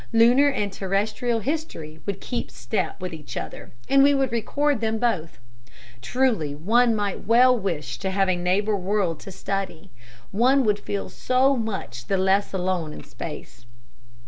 Lunar and terrestrial history would keep step with each other, and we should record them both. Truly one might well wish to have a neighbor world to study; one would feel so much the less alone in space.